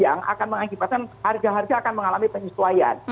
yang akan mengakibatkan harga harga akan mengalami penyesuaian